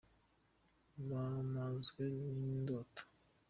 Bamazwe n’indoto